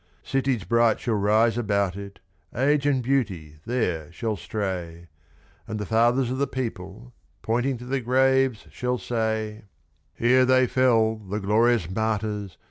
Cities bright shall rise about it, Age and Beauty there shall stray, And the fathers of the people, pointing to the graves, shall say: "Here they fell, the glorious martyrs!